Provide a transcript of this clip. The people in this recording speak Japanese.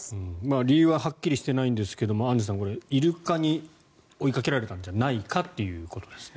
理由ははっきりしていないんですがアンジュさんイルカに追いかけられたんじゃないかということですね。